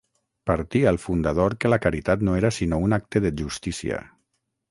Partia el fundador que la caritat no era sinó un acte de justícia.